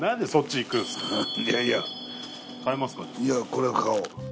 これ買おう。